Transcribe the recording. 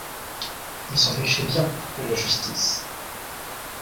Ils s’en fichaient bien, de la justice !